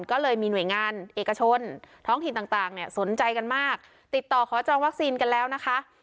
ก็เลยมีหน่วยงานเอกชนท้องถิ่นต่างเนี่ยสนใจกันมากติดต่อขอจองวัคซีนกันแล้วนะคะ